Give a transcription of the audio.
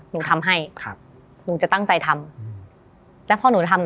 หนูทำให้ครับหนูจะตั้งใจทำแล้วพอหนูทำ